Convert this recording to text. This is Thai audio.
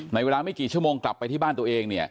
เวลาไม่กี่ชั่วโมงกลับไปที่บ้านตัวเอง